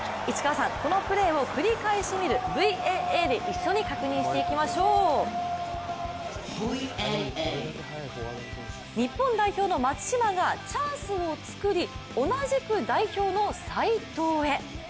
このプレーを繰り返し見るＶＡＡで一緒に確認していきましょう日本代表の松島がチャンスをつくり、同じく代表の齋藤へ。